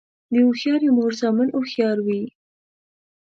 د هوښیارې مور زامن هوښیار وي.